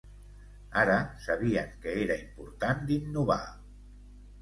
Ara, sabien que era important d’innovar.